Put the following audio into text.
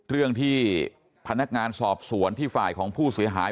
เรื่องที่พนักงานสอบสวนที่ฝ่ายของผู้เสียหาย